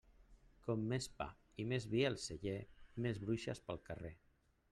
Com més pa i més vi al celler, més bruixes pel carrer.